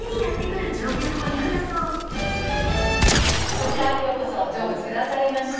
こちらようこそ成仏くださいました。